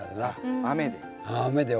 雨で。